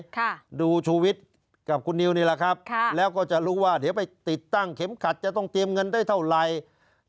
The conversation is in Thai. ค่ะดูชูวิทย์กับคุณนิวนี่แหละครับค่ะแล้วก็จะรู้ว่าเดี๋ยวไปติดตั้งเข็มขัดจะต้องเตรียมเงินได้เท่าไหร่